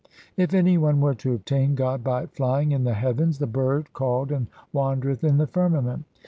If any one were to obtain God by flying in the heavens, the bird called anal wandereth in the firmament.